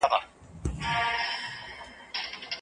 سم نیت اندیښنه نه جوړوي.